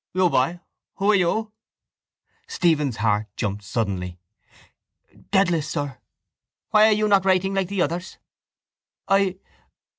You, boy, who are you? Stephen's heart jumped suddenly. —Dedalus, sir. —Why are you not writing like the others? —I...